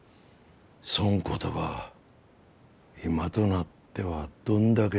そん言葉今となってはどんだけ憎んだか。